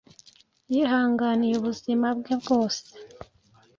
yihanganiye ubuzima bwe bwose.